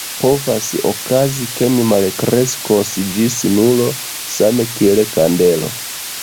Povas okazi ke mi malkreskos ĝis nulo, same kiel kandelo.